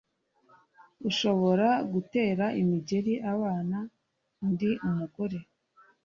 ushobora gutera imigeri abana…Ndi umugore